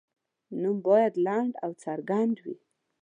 نوم باید لنډ او څرګند وي.